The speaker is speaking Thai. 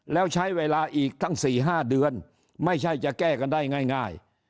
แล้วใช้เวลาอีกทั้ง๔๕เดือนไม่ใช่จะแก้กันได้ง่าย